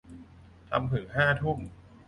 ทำถึงห้าทุ่ม